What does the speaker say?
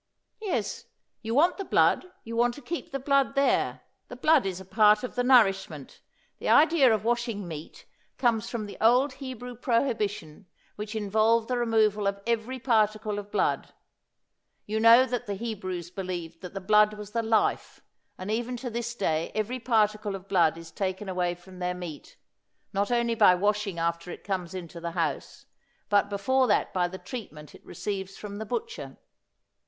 Yes; you want the blood; you want to keep the blood there. The blood is a part of the nourishment. The idea of washing meat comes from the old Hebrew prohibition which involved the removal of every particle of blood. You know that the Hebrews believed that the blood was the life and even to this day every particle of blood is taken away from their meat, not only by washing after it comes into the house, but before that by the treatment it receives from the butcher.